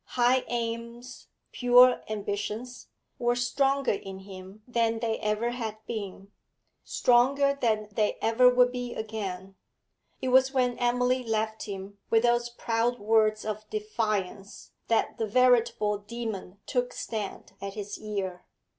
High aims, pure ambitions, were stronger in him than they ever had been; stronger than they ever would be again. It was when Emily left him with those proud words of defiance that the veritable demon took stand at his ear.